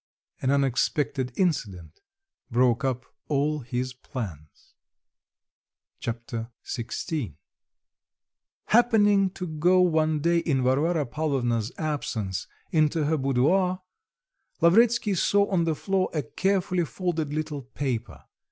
An unexpected incident broke up all his plans. Chapter XVI Happening to go one day in Varvara Pavlovna's absence into her boudoir, Lavretsky saw on the floor a carefully folded little paper.